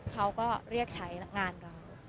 เขาก็เรียกใช้งานเรา